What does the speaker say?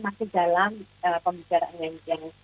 masih dalam pembicaraan yang